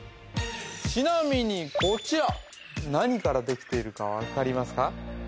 ちなみにこちら何からできているか分かりますか